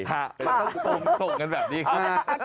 เราต้องส่งกันแบบนี้ค่ะ